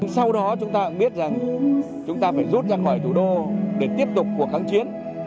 sau đó chúng ta cũng biết rằng chúng ta phải rút ra ngoài thủ đô để tiếp tục cuộc kháng chiến